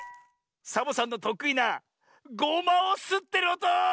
サボさんのとくいなゴマをすってるおと！